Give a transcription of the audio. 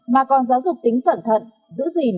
mà còn giáo dục tính phẩn thận giữ gìn